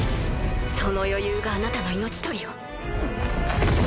その余裕があなたの命取りよ。